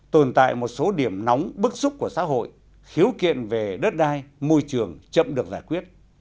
tồn tại một số điểm nóng bức xúc của xã hội khiếu kiện về đất đai môi trường chậm được giải quyết